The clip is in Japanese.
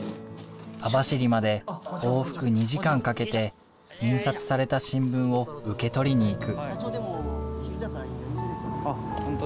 網走まで往復２時間かけて印刷された新聞を受け取りに行く。